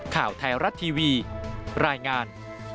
ข่าวไทยรัฐทีวีรายงาน